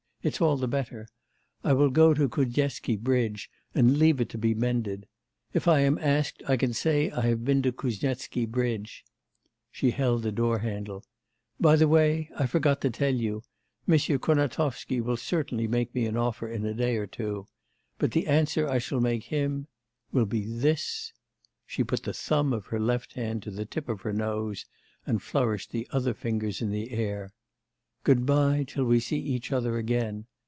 It's all the better. I will go to Kuznetsky bridge, and leave it to be mended. If I am asked, I can say I have been to Kuznetsky bridge.' She held the door handle. 'By the way, I forgot to tell you, Monsieur Kurnatovsky will certainly make me an offer in a day or two. But the answer I shall make him will be this ' She put the thumb of her left hand to the tip of her nose and flourished the other fingers in the air. 'Good bye till we see each other again.